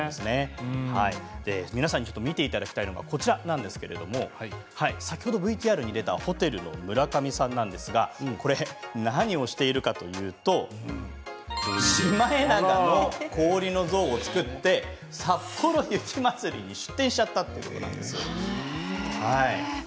皆さんに見ていただきたいものがこちらなんですけれど先ほどＶＴＲに出たホテルの村上さんなんですが何をしているかというとシマエナガの氷の像を作ってさっぽろ雪まつりで出してしまったんです。